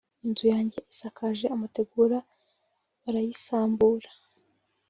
inzu yanjye isakaje amategura barayisambura